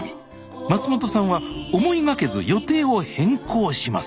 松本さんは思いがけず予定を変更します